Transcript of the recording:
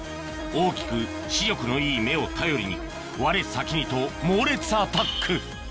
大きく視力のいい目を頼りにわれ先にと猛烈アタック